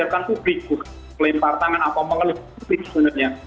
lepas itu pemerintah itu yang melempar tangan atau mengeluh publik sebenarnya